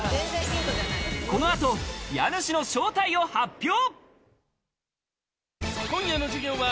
この後、家主の正体を発表。